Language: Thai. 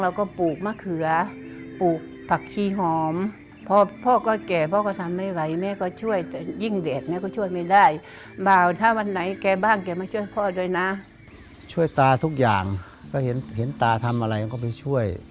เห็นตาทำอะไรตามไปช่วย